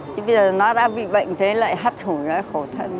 chứ bây giờ nó đã bị bệnh thế lại hất hủ nó khổ thân